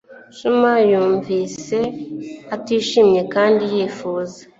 xuma yumvise atishimye kandi yifuza